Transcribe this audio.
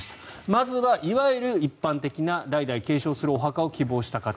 まずはいわゆる一般的な代々継承するお墓を希望した方。